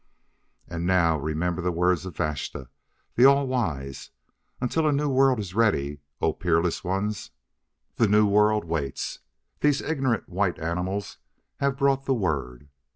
"And now, remember the words of Vashta, the All Wise: 'until a new world is ready.' O Peerless Ones, the new world waits. These ignorant, white animals have brought the word.